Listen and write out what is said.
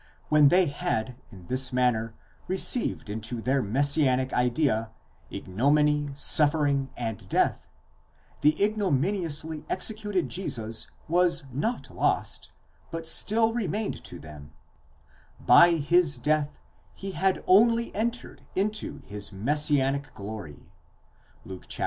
When they had in this manner received into their messianic idea ignominy, suffering and death, the ignominiously executed Jesus was not lost, but still re mained to them: by his death he had only entered into his messianic glory (Luke xxiv.